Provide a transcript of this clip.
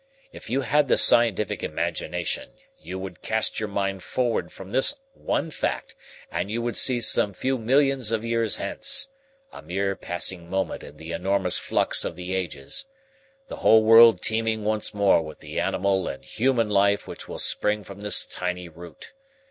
If you had the scientific imagination, you would cast your mind forward from this one fact, and you would see some few millions of years hence a mere passing moment in the enormous flux of the ages the whole world teeming once more with the animal and human life which will spring from this tiny root.